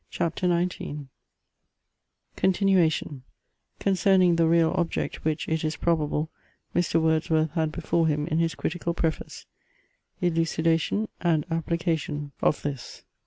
CHAPTER XIX Continuation Concerning the real object which, it is probable, Mr. Wordsworth had before him in his critical preface Elucidation and application of this.